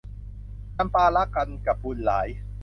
จำปารักกันกับบุญหลาย